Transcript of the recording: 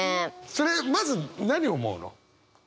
それまず何思うの？